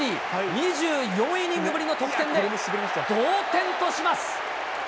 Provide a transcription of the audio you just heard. ２４イニングぶりの得点で同点とします。